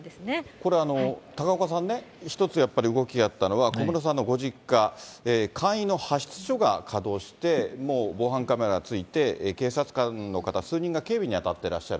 これ、高岡さんね、１つやっぱり動きがあったのは、小室さんのご実家、簡易の派出所が稼働して、もう防犯カメラついて、警察官の方数人が警備に当たってらっしゃる。